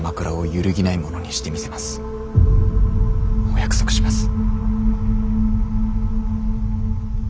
お約束します。